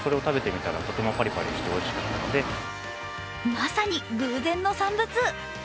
まさに偶然の産物。